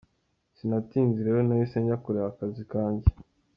Sinatinze rero nahise njya kureba akazi kanjye.â€?